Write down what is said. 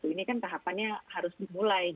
ini kan tahapannya harus dimulai